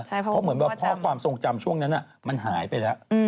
เพราะเหมือนแบบข้อความทรงจำช่วงนั้นมันหายไปแล้ว